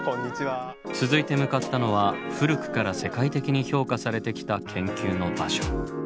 続いて向かったのは古くから世界的に評価されてきた研究の場所。